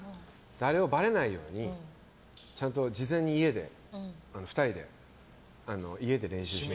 あれを、ばれないようにちゃんと事前に家で２人で家で練習して。